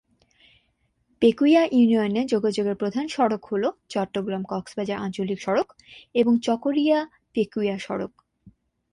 পেকুয়া ইউনিয়নে যোগাযোগের প্রধান সড়ক হল চট্টগ্রাম-কক্সবাজার আঞ্চলিক সড়ক এবং চকরিয়া-পেকুয়া সড়ক।